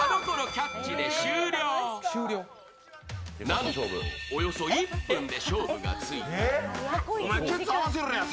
なんと、およそ１分で勝負がついた。